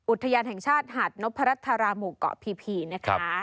อุทยานแห่งชาติหาดนพรัชราหมู่เกาะพีนะคะ